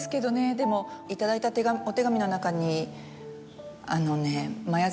でも頂いたお手紙の中にあのね。